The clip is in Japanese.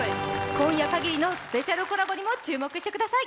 今夜限りのスペシャルコラボにも注目してください。